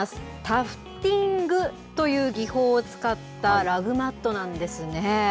タフティングという技法を使ったラグマットなんですね。